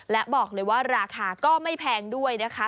และบอกเลยว่าราคาก็ไม่แพงด้วยนะคะ